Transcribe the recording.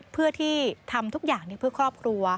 เพื่อที่ทำทุกอย่างเพื่อครอบครัว